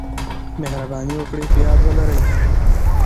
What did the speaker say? مهرباني وکړئ په یاد ولرئ: